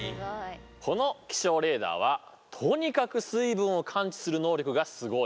この気象レーダーはとにかく水分を感知する能力がすごい。